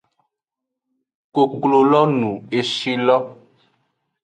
Koklo lo nu eshi lo.